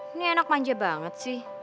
ini enak manja banget sih